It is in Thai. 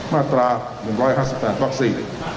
มาตรา๑๕๘รักษี